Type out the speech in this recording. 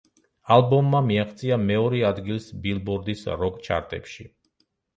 ალბომმა მიაღწია მეორე ადგილს ბილბორდის როკ ჩარტებში.